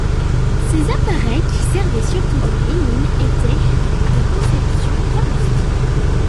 Ces appareils qui servaient surtout dans les mines, étaient de conception robuste.